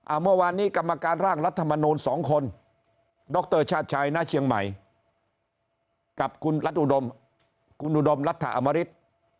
เมื่อวานนี้กรรมการร่างรัฐมนูลสองคนดรชาติชายณเชียงใหม่กับคุณรัฐอุดมคุณอุดมรัฐอมริต